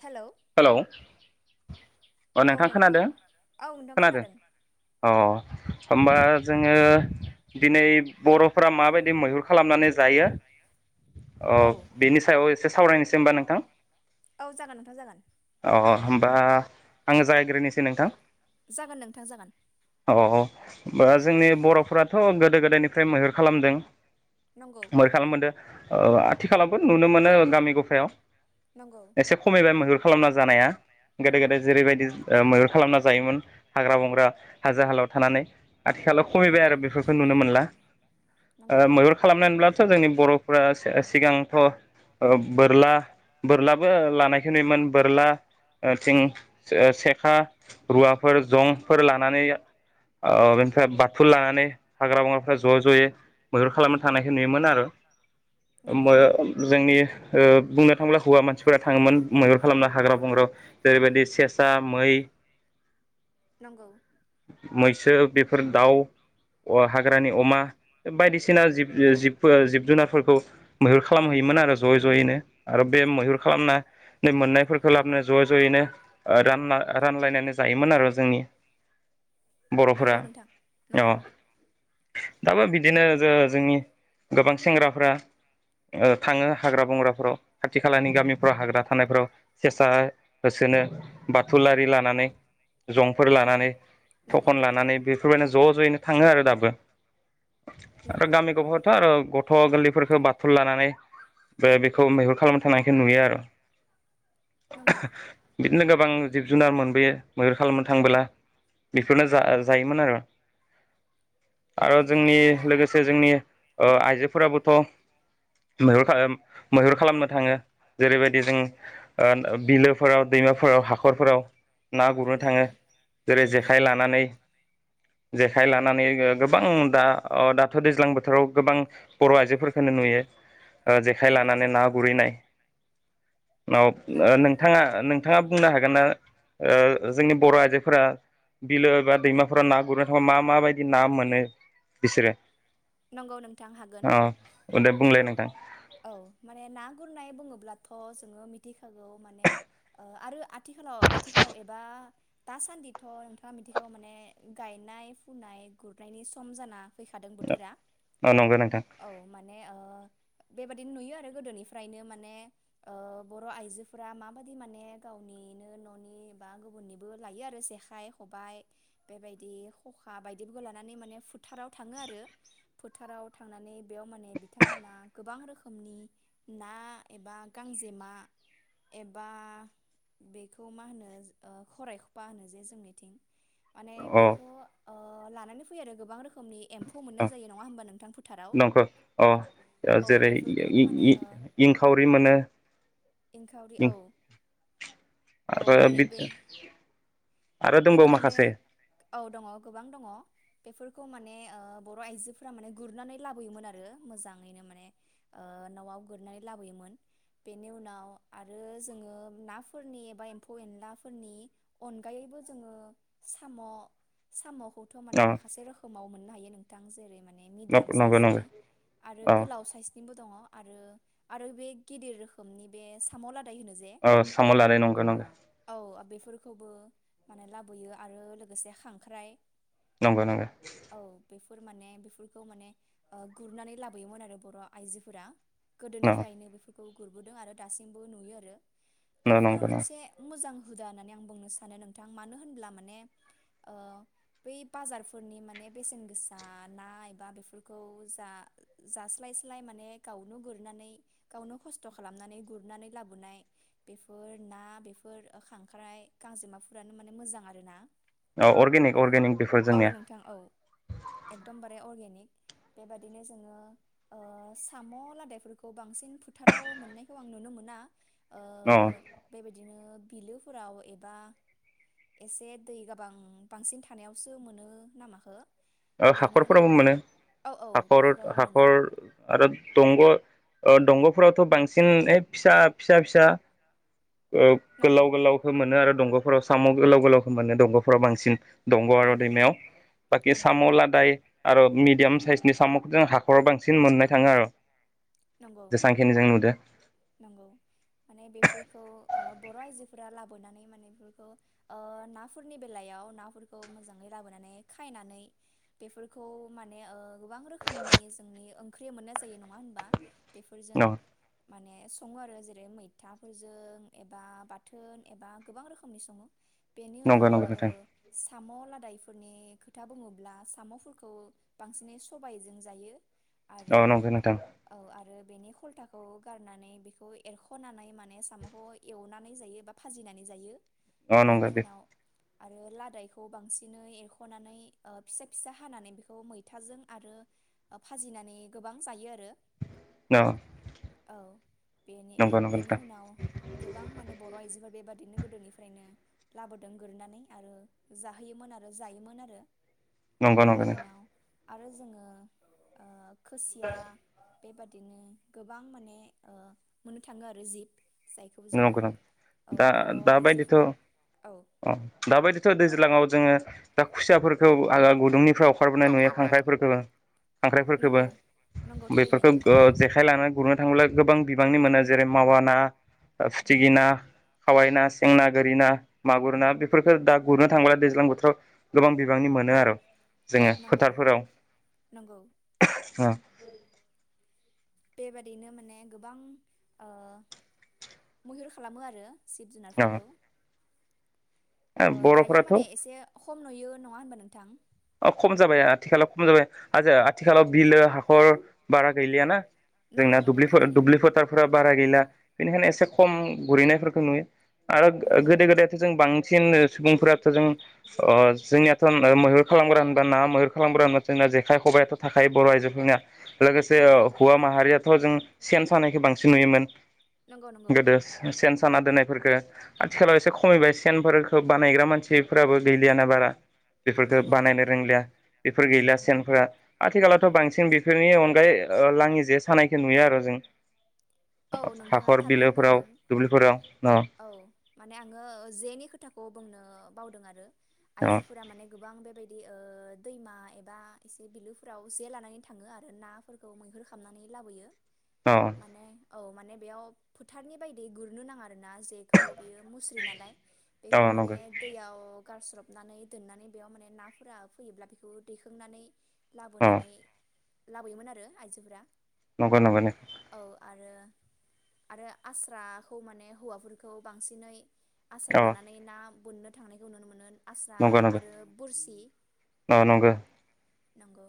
Hello hello अ नोंथां खोनादों औ नोंथां खोनादों अ होमबा जोङो दिनै बर'फोरा माबायदि मैहुर खालामनानै जायो अ औ बेनि सायाव ए से सावरायनोसै होमबा नों थां औ जागोन नोंथां जागोन अ होमबा आङो जागायग्रोनोसै नोंथां जागोन नोंथां जागोन औ औ बा जोंनि बरफोराथ' गोदो गोदायनिफ्राय मैहुर खालामदों नंगौ मैहुर खालामनो मोनदो ओ आथिखालावबो नुनो मोनो गामि गफायाव नंगौ एसे खमायबाय मैहुर खालामना जानाया गोदो नंगौ गोदाय जेरैबायदि ओ मैहुर खालामना जायोमोन हाग्रा बंग्रा हाजो हालाव थानानै आथिखालाव खमिबाय नंगौ आरो बेफोरखौ नुनो मोनला नंगौ ओ मैहुर खालामनानैब्लाथ' जोंनि बर'फ्रा सि सिगांथ' ओ बोरला बोरलाबो लानायखो नुयोमोन बोरला ओ थिं ओ सेखा रुवाफोर जंफोर लानानै ओ बेनिफ्राय बा थुल लानानै हाग्रा बंग्राफ्रा ज' ज'यै मैहुर खालामनो थांनायखो नुयोमोन आरो नंगौ [unintelligible] जोंनि ओ बुं थांब्ला हौवा मानसिफोरा थाङोमोन मैहुर खालामनो हाग्रा बंग्रायाव जेरैबायदि सेसा मै नंगौ मैसो बेफोर दाउ अ हाग्रानि अमा बायदिसिना जिब ओ जिब जिब जुनारफोरखौ मैहुर खालामहैयोमोन आरो ज'यै ज'यैनो। आरो बे मैहुर खालाम नानै मोननायफोरखौ लाबोना ज' ज'यैनो ओ रानना रानलायनानै जायोमोन आरो जोंनि बर'फोरा नंगौ नोंथां अ नंगौ दाबो बिदिनो जो जोंनि गोबां सेंग्राफ्रा ओ थाङो हाग्रा बंग्राफोराव खाथि खालानि गामिफ्राव हाग्रा थानायफ्राव सेसा होसोनो बाथुल आरि लानानै जंफोर नंगौ लानानै नंगौ थखन लानानै बेफोरबायदिनो ज' ज'यैनो थाङो आरो दाबो। आरो नंगौ गामिखौ [unintelligible] आरो ग थ' गोल्लैफोरखो बाथुल लानानै बे बेखौ मैहुर खालामनो थांनायखौ नुयो आरो नंगौ [unintelligible] बिदिनो गो बां जिब जुनार मोनबोयो मैहुर खालामनो थांबोला बेफोरनो जा जायोमोन आरो औ आरो जोंनि नोंथां लोगोसे जोंनि ओ आइजोफोराबोथ' मैहुर खालाम मैहुर खालामनो थाङो जेरैबायदि जों ओ बिलोफोराव दैमाफोराव हाखरफोराव ना गुरनो थाङो नंगौ जेरै- नंगौ जेखाइ लानानै जेखाइ लानानै गोबां दा अ दाथ' दैज्लां बोथोराव गोबां बर' आइजोफोरखोनो नुयो। ओ जेखाइ नंगौ लानानै ना [unintelligible] नाव नंगौ नोंथाङा नोंथाङा बुंनो हागोन ना ओ जोंनि बर' आइजोफोरा बिलो बा दैमाफोरा ना गुरनो थांबा मा माबायदि ना मोनो बिसोरो नंगौ नोंथां हागोन अ दे बुंलाय नोंथां औ माने ना गुरनाय बुङोब्लाथ' जोङो मिथिखागौ माने आरो आथिखालाव आथिखालाव एबा दासान्दिथ' नोंथाङा मिथिखागौ माने गायनाय फुनाय गुरनायनि सम जाना फैखादों बोथोरा औ नंगौ नोंथां [unintelligible] औ माने ओ बेबायदिनो नुयो आरो गोदोनिफ्रायनो माने ओ बर' आइजोफोरा माबायदि माने गावनिनो न'नि बा गुबुननिबो लायो आरो जेखाइ खबाय बेबायदि खखा बायदिफोरखौ लानानै माने फुथाराव थाङो आरो फोथाराव थांनानै बेयाव माने बिथांमोना गोबां रोखोमनि ना एबा गांजेमा एबा बेखौ मा होनो ओ खरायखफा होनो जे जोंनिथिं माने अ बेखौ ओ लानानै फैयो आरो गोबां रोखोमनि एम्फौ मोननाय जायो। नङा होमबा नोंथां फोथाराव नंखौ अ ओ औ जेरै बेफोरखौनो माने ओ इ-इ-इंखावरि मोनो इंखावरि औ औ आरो बे बे आरो दंबावो बेबादिनो माखासे औ दङ गोबां दङ। बेफोरखौ माने ओ बर' आइजो फोरा माने गुरनानै लाबोयोमोन आरो मोजाङैनो माने ओ न'आव गुरनानै लाबोयोमोन बेनि उनाव आरो जोङो नाफोरनि एबा एम्फौ एनलाफोरनि अनगायैबो जोङो साम' साम' खौथ' माने अ माखासे रोखोमाव मोननो हायो नों थां जेरै मा ने मिडियाम नंगौ साइसनि नंगौ आरो औ गोलाव साइसनिबो दङ आरो आरो बे गिदिर रोखोमनि बे साम' लाद औ साम' लादाय नंगौ नंगौ बेखौबो माने लाबोयो आरो लोगोसे खांख्राइ नंगौ नंगौ फोर माने बेफोर र' माने ओ गुरनानै लाबोयोमोन आरो बर' आइजोफोरा गोदोनिफ्रायनो बेफोर खौ गुरबोदों आरो दासिमबो नुयो आरो बेफोर नंगौ नंगौ मोनसे मोजां हुदा होननानै आं बुंनो सानो नोंथां मानो होनब्ला माने ओ बै बाजारफोरनि माने बेसेन गोसा ना बा बेफोरखौ जा जास्लायस्लाय माने गावनो गुरनानै गावनो खस्थ' खालामनानै गुरनानै लाबोनाय बेफोर ना बेफोर खांख्राइ गांजेमाफोरानो माने मोजां आरोना औ अर्गेनिक अर्गेनिक बेफोर औ जोंनिया नोंथां औ एकदमबारे अर्गेनिक बेबादिनो जोङो ओ साम' लादायफोरखौ बांसिन फोथाराव मोननायखौ आं नुनो मोना ओ अ बेबायदिनो बिलोफोराव एबा एसे दै गोबां बांसिन थानायावसो मोनो नामाखो ओ बेनि उनाव हाखरफोराव मोन मोनो औ औ हाखर बेफोराव मोनो हाखर आरो दंग' ओ दंग'फोरावथ' बांसिन ए फिसा फिसा फिसा ओ नंगौ गोलाव गोलावखो मोनो आरो दंग' फोराव साम' गोलाव गोलावखो मोनो दंग'फोराव बांसिन। दगं आरो नंगौ दैमायावा बाखिस नंगौ साम' लादाय आरो मिथ मिडियाम साइसनि साम'खो जों हाखराव बांसिन मोननाय थाङो आर' नंगौ नंगौ माने बेफोर बखौ ओ बर' आइजोफोरा लाबोनानै माने बेफोरखौ ओ नाफोरनि बेलायाव नाफोरखौ मोजाङै लाबोनानै खायनानै बेफोरखौ माने ओ गोबां रोखोमनि जोंनि ओंख्रि मोननाय जायो। नङा होनबा? बेफोरजों औ माने सङो आरो जेरै मैथाफोरजों एबा बाथोन एबा गोबां रोखोमनि सङो। बेनि नंगौ उनाव नंगौ ओ नोंथां साम' लादाय फोरनि खोथा बुङोब्ला साम'फोरखौ बांसिनै सबायजों जायो। आरो औ नंगौ नोंथां। औ आरो बेनि खलथाखौ गारनानै बेखौ एरख'नानै माने साम'खौ एवनानै जायो बा भाजिनानै जायो। औ नंगौ बेनि बे उनाव आ रो लादायखौ बांसिनै एरख'नानै ओ फिसा फिसा हानानै बेखौ मैथाजों आरो फाजिनानै गोबां जायो आरो न औ। बेनि बेनि उनाव गोबां माने बर' आइजोफोरा बेबा दिनो गोदोनिफ्रायनो लाबोदों गोरनानै आरो जाहोयोमोन आरो जायोमोन आरो नंगौ नंगौ बेनि नोंथां उनाव आरो जोङो ओ खुसिया बेबादिनो गोबां माने ओ मोननो थाङो आरो जि नंगो नंगो दा दाबायदिथ' आइजोफोर औ अ दाबायदिथ' दैज्लाङाव जोङो दा खुसियाफोरखौ आङा गुदुंनि फोराव ओंखारबोनाय नुयो खांख्राइफोरखोनो खांख्राइफोरखोबो नंगौ नंगौ थारैनो बेफोरखौ ओ जेखाय लानानै गुरनो थाङोब्ला गोबां बिबांनि मोनो। जेरै मावा ना ओ फिथिगि ना, खावै ना, सें ना, गोरि ना, मागुर ना। बेफोरखो दा गुरनो थाङोब्ला दैज्लां बोथोराव गोबां बिबांनि मोनो आरो जोङो नंगौ फोथारफोराव नंगौ उम। बेबादिनो माने गोबां ओ मैहुर खालामो आरो जिब ओ जुनारफोरखौ। ओ दायो बर'फोराथ' माने एसे खम नुयो नङा होनबा नोंथां? अ खम जाबाय आथिखालाव खम जाबाय आ आथिखालाव बिलो हाखर बारा गैलियाना। नंगौ जोंना नंगौ दुब्लिफोर थारैनो दुब्लि फोथारफोरा बारा गैला बेनिखायनो एसे खम गुरहैनायफोरखौ नुयो आरो नंगौ गोदो गोदायथ' जों बांसिन सुबुंफोराथ' जों ओ जोंनियाथ' मैहुर खालामग्रा होनबा ना मैहेर खालामग्रा होनबा जोंना जेखाइ खबायाथ' थाखायो बर' आइजोफोरनिया। लोगोसे नंगौ हौवा माहारियाथ' जों सेन सानायखौ बांसिन नुयोमोन, नंगौ नंगौ गोदो सेन साना दोननायफोरखौ। आथिखालाव एसे खमायबाय सेनफोरखौ बानायग्रा मानसिफोराबो गैलियाना बारा। बेफोर खौ नंगौ बानायनो रोंलिया, बेफोर गैलि नंगौ सेनफ्रा। आथिखालावथ' बांसिन बांसिन बेफोरनि अनगायै लाङि जे सानायखौ नुयो आरो जों औ नोंथाङा हाखर थारखौ बिलोफोराव बुंदों दुब्लिफोराव अ औ माने आङो जेनि खोथाखौ बुंनो ओ बावदों आरो। अ आइजोफोरा माने गोबां बेबायदि बिदि ओ दैमा एबा एसे बिलोफोराव जे लानानै थाङो आरो नाफोरखौ मैहुर खालामनानै लाबोयो, अ माने औ माने बेयाव फोथारनि बायदि गुरनो नाङा आरोना जेखौ बियो मुस्रि नालाय बेखौ माने नंगौ दैयाव गारस्रबनानै दोननानै बेयाव माने नाफोरा फैयोब्ला बेखौ दैखांनानै अ लाबोनानै लाबोयोमोन आरो आइजोफोरा। नंगौ नंगौनो। औ आरो आरो आस्राखौ माने हौवाफोरखौ बांसिनै आस्रा अ लानानै ना बोननो थांनायखौ नुनो मोनो, आस्रा नंगौ नंगौ आरो बोरसि अ नंगौ नंगौ।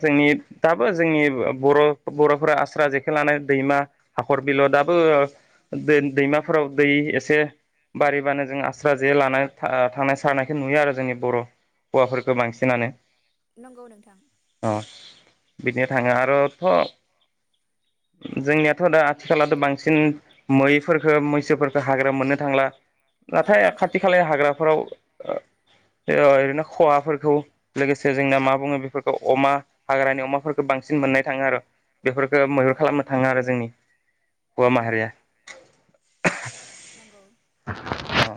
जोंनि दाबो जोंनि बर' बर'फोरा आस्रा जेखो लाना दैमा हाखर बिलो दाबो दै दैमाफोराव दै एसे बारिबानो जों आस्रा जे लानाय था आ थांनाय सारनायखौ नुयो आरो जोंनि बर' हौवाफोरखौ बांसिनानो। नंगौ नोंथां। अ बिदिनो थाङो आरोथ' जोंनियाथ' दा आथिखलावथ' बांसिन मैफोरखो मैसोफोरखो हाग्रा मोननो थांला नंगौ नाथाय नोंथां खाथि खाला हाग्राफोराव ओ ओ ओरैनो खहाफोरखौ लोगोसे जोंना मा बुङो बि फोरफोरखौ अमा हाग्रानि अमाफोरखौ बांसिन मोननाय थाङो आरो बेफोरखो मैहुर नंगौ खालामनो थाङो आरो जोंनि हौवा नंगौ माहारिया नंगौ औ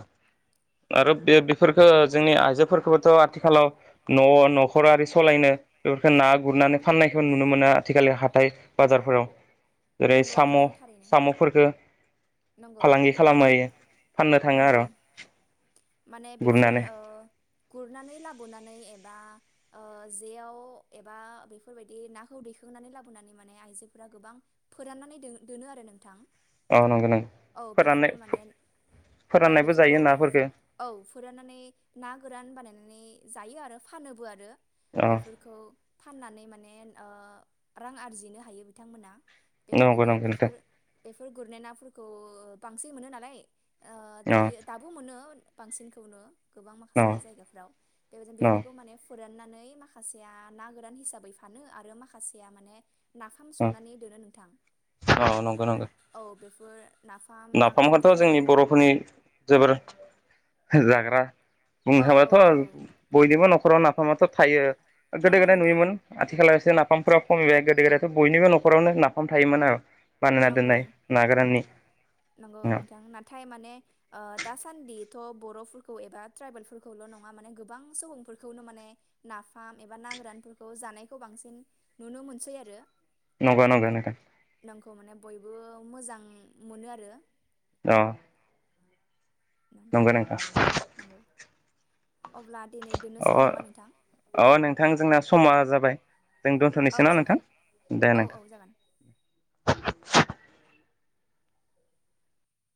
आरो बे बेफोरखौ जोंनि आइजोफोरखौबोथ' आथिखालाव न' नखरारि सलायनो हो ना गुरनानै फाननायखौ नुनो मोना आथिखालि हाथाय बाजारफोराव जेरै नंगौ साम' नोंथां थारैनो साम'फोरखो नंगौ फालांगि खालामै फाननो थाङो नंगौ आर' माने बेफोर ओ गुरनानै लाबोनानै ए बा ओ जेयाव एबा बेफोरबायदि नाखौ दैखोनानै लाबोनानै माने आइजो फोरा गोबां फोराननानै दो दोनो आरो नोंथां नंगौ नंगौ औ फोराननाय बेफोर माने औ फोराननायबो बेफोरखौ जायो नाफोरफोरखौ औ फोराननानै ना गोरान बानायनानै जायो आरो फानोबो आरो अ बेफोरखौ फाननानै माने ओ रां आरजिनो हायो। बिथांमोना। नंगौ बेबायदिनो नंगौ नोंथां बिफोर बेफ [unintelligible] गुरनाय नाफोरखौ बांसिन मोनो नालाय। ओ दायो दाबो मोनो। बांसिनखौनो गोबां माखासे अ जायगाफ्राव बेबायदि अ बेफोरखौ माने फोरानना नै माखासेया ना गोरान हिसाबै फानो आरो माखासेआ माने ना नाफाम औ सौनानै दोनो नोंथां नंगौ नंगौ औ बे बो नाफामखौथ' जोंनि बर'फोरनि जोबोर जाग्रा बुंनो औ औ थांबाथ' नंगौ बयनिबो न'खराव ना माथ' थायो। गोदो नंगौ गोदाय नोंथां नुयोमोन आथिखालावसो ना नाफामफोरा खमिबाय गोदो गोदायाथ' बयनिबो न'खरावनो नाफाम थायोमोन आरो बानायना नंगौ दोननाय नागाराननि नंगौ नोंथां नाथाय माने ओ दासान दिथ' बर'फोरखौ एबा ट्राइबेलफोरखौल' नङा माने गोबां सुबुंफोरखौनो माने नाफाम एबा ना गोरानफोरखौ जानायखौ बांसिन नुनो मोनसै आरो नंगौ नंगौ नोंथां। नोंखौ बयबो मोजां मोनो आरो औ नंगौ नोंथां नंगौ अब्ला दिनै अ दोननोसै नामा नोंथां अ नोंथां जोंना समा जाबाय जों औ दोनथ'नोसो ना जागोन नोंथां औ दे औ जागोन [inaudible]